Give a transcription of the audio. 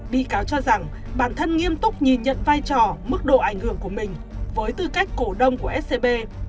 bị cáo cho rằng bản thân nghiêm túc nhìn nhận vai trò mức độ ảnh hưởng của mình với tư cách cổ đông của scb